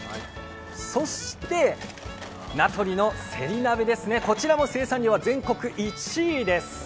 そして名取のせり鍋ですね、こちらも生産量は全国１位です。